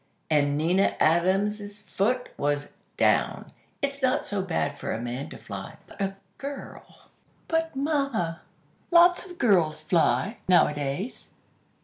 _" and Nina Adams' foot was down! "It's not so bad for a man to fly, but a girl " "But, Mama, lots of girls fly, nowadays."